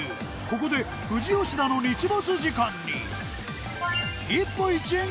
ここで富士吉田の日没時間に１歩１円